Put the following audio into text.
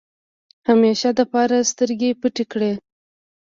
همېشه دپاره سترګې پټې کړې ۔